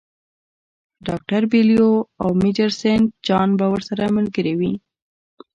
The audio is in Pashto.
ډاکټر بیلیو او میجر سینټ جان به ورسره ملګري وي.